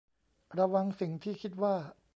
ระวังสิ่งที่คิดว่า